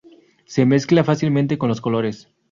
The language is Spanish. Se mezcla fácilmente con los colores.